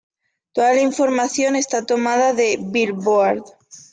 Toda la información está tomada de "Billboard".